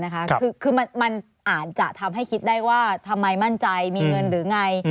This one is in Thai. คือมันอาจจะทำให้คิดได้ว่าทำไมมั่นใจมีเงินหรือไง